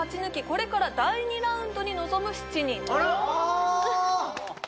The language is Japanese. これから第２ラウンドに臨む７人とあらっああ！